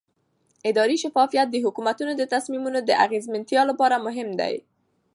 اداري شفافیت د حکومت د تصمیمونو د اغیزمنتیا لپاره مهم دی